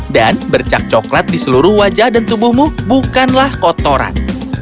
dan bercak coklat di seluruh wajah dan tubuhmu bukanlah kotoran